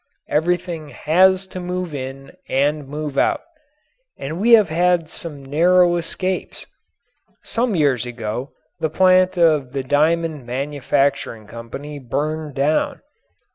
Everything has to move in and move out. And we have had some narrow escapes. Some years ago the plant of the Diamond Manufacturing Company burned down.